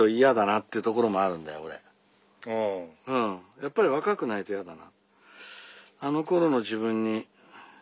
やっぱり若くないと嫌だな。